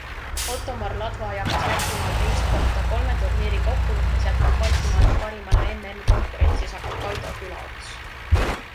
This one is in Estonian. Ottomar Ladva jagas Lätimaal teist kohta, kolme turniiri kokkuvõttes jätkab Baltimaade parimana MM-konkurentsis aga Kaido Külaots.